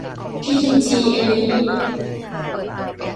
พีทีจี เอ็นเนอยี